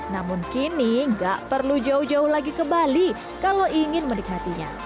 namun kini nggak perlu jauh jauh lagi ke bali kalau ingin menikmatinya